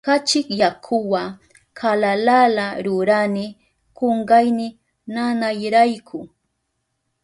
Kachi yakuwa kalalala rurani kunkayni nanayrayku.